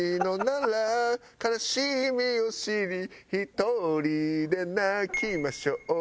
「悲しみを知り独りで泣きましょう」